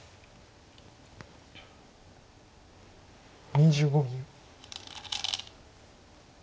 ２５秒。